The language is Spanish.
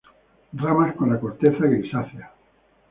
Ramas con la corteza grisácea.